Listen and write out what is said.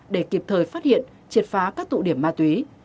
để kịp thời phát hiện triệt phá các tụ điểm ma túy